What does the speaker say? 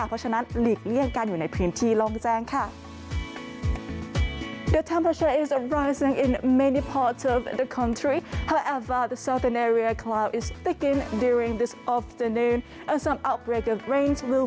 เพราะฉะนั้นหลีกเลี่ยงการอยู่ในพื้นที่ลองแจ้งค่ะ